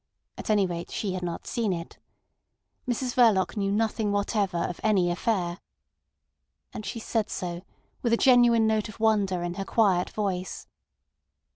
At any rate she had not seen it. Mrs Verloc knew nothing whatever of any affair. And she said so, with a genuine note of wonder in her quiet voice.